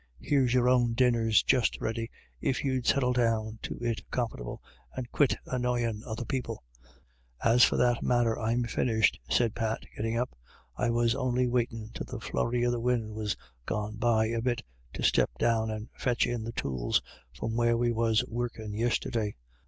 " Here's your own dinners just ready, if you'd settle down to it conformable, and quit annoyin' other people." " Oh, for that matter, I'm finished," said Pat, getting up ; "I was on'y waitin' till the flurry o' the win' was gone by a bit to step down and fetch in the tools from where we were workin' yister day.